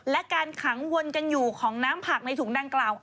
และการขังวนกันอยู่ของน้ำผักในถุงดังกล่าว